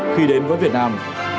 khi đến với việt nam